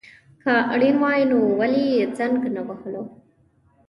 که اړين وای نو ولي يي زنګ نه وهلو